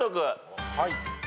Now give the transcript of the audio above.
はい。